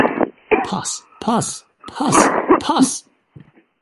Puss, puss, puss, puss!